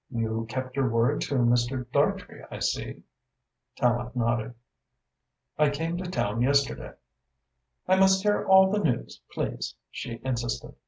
You kept your word to Mr. Dartrey, I see?" Tallente nodded. "I came to town yesterday." "I must hear all the news, please," she insisted.